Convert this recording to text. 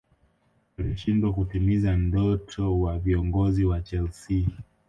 alishindwa kutimiza ndoto wa viongozi wa chelsea